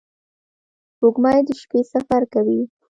• سپوږمۍ د شپې سفر کوي.